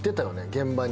現場に。